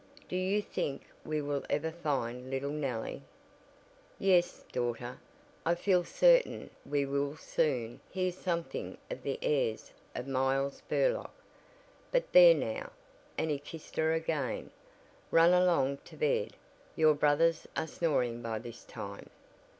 "Do you think we will ever find little Nellie?" "Yes, daughter, I feel certain we will soon hear something of the heirs of Miles Burlock. But there now," and he kissed her again, "run along to bed. Your brothers are snoring by this time."